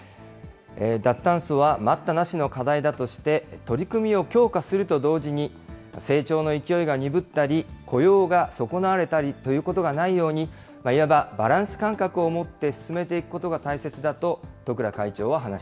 脱炭素は待ったなしの課題だとして、取り組みを強化すると同時に、成長の勢いが鈍ったり、雇用が損なわれたりということがないように、いわばバランス感覚をもって進めていくことが大切だと、十倉会長